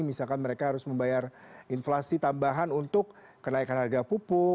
misalkan mereka harus membayar inflasi tambahan untuk kenaikan harga pupuk